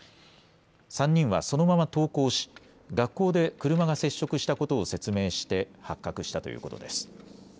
３人はそのまま登校し学校で車が接触したことを説明して発覚したということです。